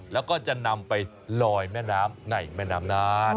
แล้วก็จะนำไปลอยแม่น้ำในแม่น้ำนาน